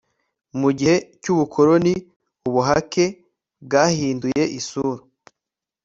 mu gihe cy'ubukoloni ubuhake bwahinduye isura